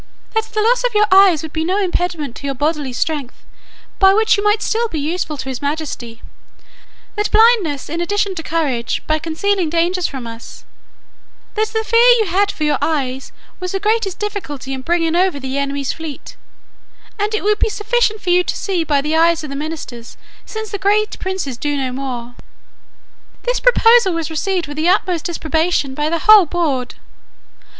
That the loss of your eyes would be no impediment to your bodily strength, by which you might still be useful to his majesty; that blindness is an addition to courage, by concealing dangers from us; that the fear you had for your eyes, was the greatest difficulty in bringing over the enemy's fleet, and it would be sufficient for you to see by the eyes of the ministers, since the greatest princes do no more. "This proposal was received with the utmost disapprobation by the whole board.